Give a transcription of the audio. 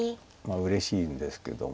うれしいんですけども。